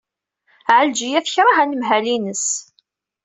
Ɛelǧiya tekṛeh anemhal-ines.